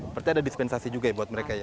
berarti ada dispensasi juga ya buat mereka ya